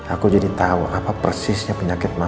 aku jadi tau apa persisnya penyakit mamah